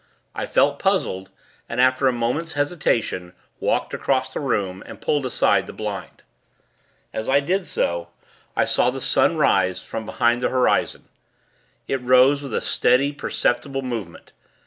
I felt puzzled, and, after a moment's hesitation, walked across the room, and pulled aside the blind. As I did so, I saw the Sun rise, from behind the horizon. It rose with a steady, perceptible movement.